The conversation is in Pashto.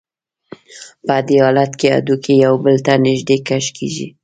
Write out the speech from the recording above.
په دې حالت کې هډوکي یو بل ته نږدې کش کېږي.